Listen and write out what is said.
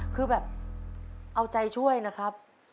คือแบบเอาใจช่วยนะครับ